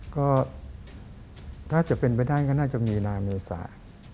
ก็ถ้าจะเป็นไปได้ก็น่าจะมีนาเมษา